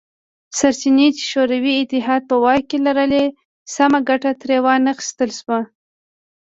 سرچینې چې شوروي اتحاد په واک کې لرلې سمه ګټه ترې وانه خیستل شوه